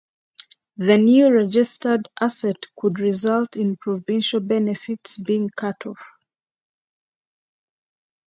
The new registered asset could result in provincial benefits being cut off.